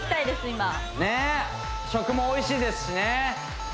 今ねっ食もおいしいですしね